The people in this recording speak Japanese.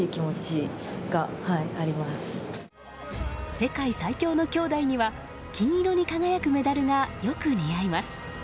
世界最強の兄妹には金色に輝くメダルがよく似合います。